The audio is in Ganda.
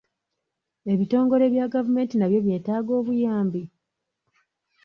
Ebitongole bya gavumenti nabyo byetaaga obuyambi?